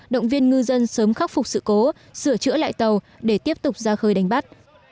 động viên ngư dân sớm khắc phục sự cố sửa chữa lại tàu để tiếp tục ra khơi đánh bắt